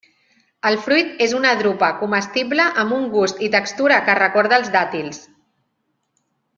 El fruit és una drupa comestible amb un gust i textura que recorda els dàtils.